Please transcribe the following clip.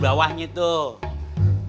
jom bawahnya tuh